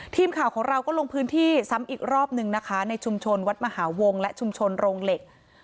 ทีมข่าวของเราก็ลงพื้นที่ซ้ำอีกรอบนึงนะคะในชุมชนวัดมหาวงและชุมชนโรงเหล็ก